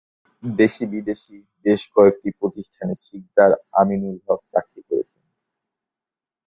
দেশী-বিদেশী বেশ কয়েকটি প্রতিষ্ঠানে সিকদার আমিনুল হক চাকরি করেছেন।